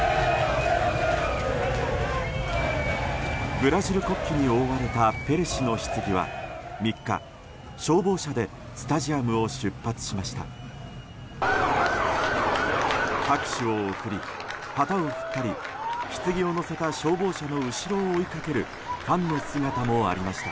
ブラジル国旗に覆われたペレ氏のひつぎは３日、消防車でスタジアムを出発しました。